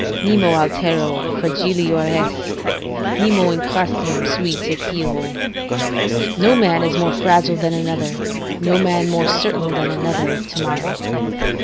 "Nemo altero fragilior est; nemo in crastinum sui certior." ["No man is more fragile than another: no man more certain than another of to morrow."